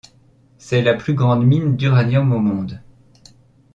C'est la plus grande mine d'uranium au monde.